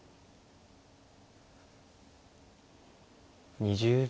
２０秒。